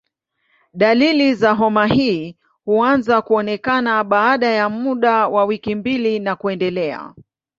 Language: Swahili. Dalili za homa hii huanza kuonekana baada ya muda wa wiki mbili na kuendelea.